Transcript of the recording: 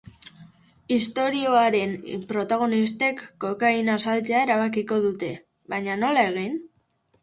Istorioaren protagonistek kokaina saltzea erabakiko dute, baina nola egin?